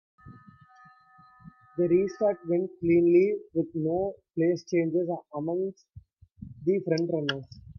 The restart went cleanly, with no place changes amongst the front-runners.